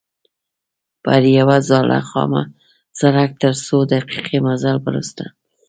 پر یوه زاړه خامه سړک تر څو دقیقې مزل وروسته.